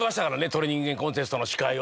『鳥人間コンテスト』の司会を。